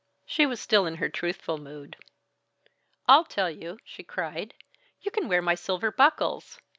She was still in her truthful mood. "I'll tell you!" she cried, "you can wear my silver buckles."